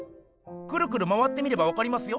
くるくる回って見ればわかりますよ。